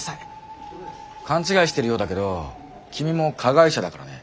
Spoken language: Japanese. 勘違いしてるようだけど君も加害者だからね。